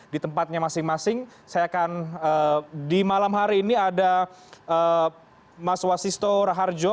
di tempatnya masing masing saya akan di malam hari ini ada mas wasisto raharjo